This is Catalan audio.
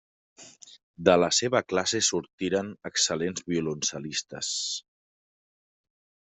De la seva classe sortiren excel·lents violoncel·listes.